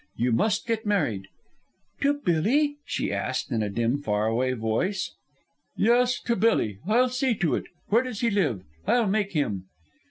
You must get married." "To Billy?" she asked, in a dim, far away voice. "Yes, to Billy. I'll see to it. Where does he live? I'll make him."